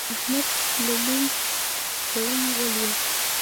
احمد له لوی ګړنګ ولوېد.